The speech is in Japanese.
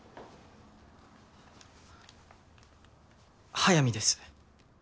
速水です。